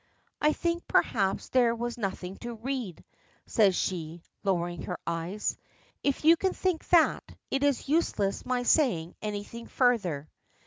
"I think, perhaps, there was nothing to read," says she, lowering her eyes. "If you can think that, it is useless my saying anything further."